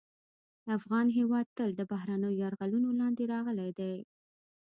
افغان هېواد تل د بهرنیو یرغلونو لاندې راغلی دی